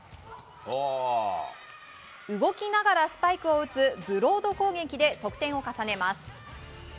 動きながらスパイクを打つブロード攻撃で得点を重ねます。